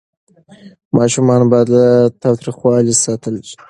ماشومان باید له تاوتریخوالي ساتل سي.